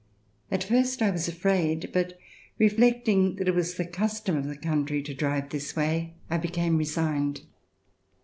At first I was afraid, but reflecting that it was the custom of the country to drive this way, I became resigned.